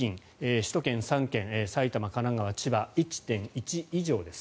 首都圏３県埼玉、神奈川、千葉は１．１以上です。